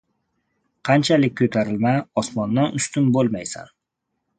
• Qanchalik ko‘tarilma, osmondan ustun bo‘lolmaysan.